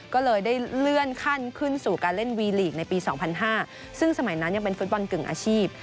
ก็เลยได้เลื่อนขั้นขึ้นสู่การเล่นวีลีกในปี๒๐๐๕ซึ่งสมัยนั้นยังเป็นฟุตบอลกึ่งอาชีพ